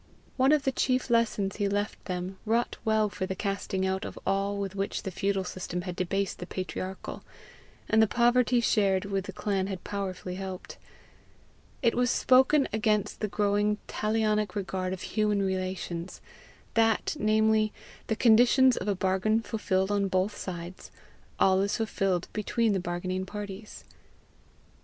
One of the chief lessons he left them wrought well for the casting out of all with which the feudal system had debased the patriarchal; and the poverty shared with the clan had powerfully helped: it was spoken against the growing talionic regard of human relations that, namely, the conditions of a bargain fulfilled on both sides, all is fulfilled between the bargaining parties.